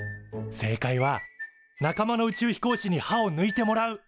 正解は仲間の宇宙飛行士に歯をぬいてもらう。